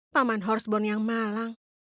paman horseborn yang malang